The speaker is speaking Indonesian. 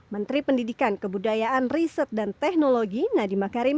menteri pendidikan kebudayaan riset dan teknologi nadiemah karim